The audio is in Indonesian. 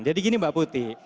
jadi gini mbak putih